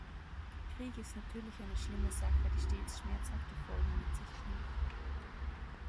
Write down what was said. Krieg ist natürlich eine schlimme Sache, die stets schmerzhafte Folgen mit sich bringt.